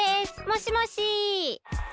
もしもし。